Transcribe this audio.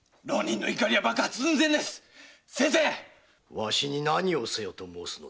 わしに何をせよと申すのだ。